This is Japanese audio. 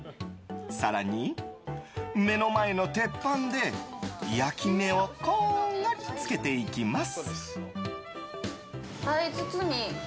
更に、目の前の鉄板で焼き目をこんがりつけていきます。